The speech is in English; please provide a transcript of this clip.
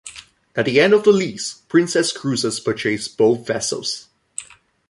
At the end of the lease, Princess Cruises purchased both vessels.